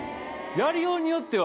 やりようによっては。